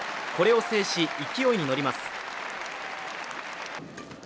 これを制し、勢いに乗ります。